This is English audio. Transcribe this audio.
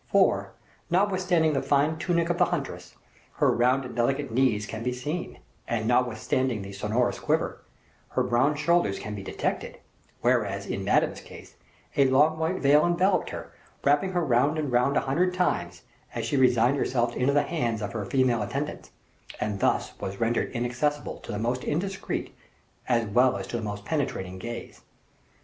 For, notwithstanding the fine tunic of the huntress, her round and delicate knee can be seen; and notwithstanding the sonorous quiver, her brown shoulders can be detected; whereas, in Madame's case, a long white veil enveloped her, wrapping her round and round a hundred times, as she resigned herself into the hands of her female attendants, and thus was rendered inaccessible to the most indiscreet, as well as to the most penetrating gaze.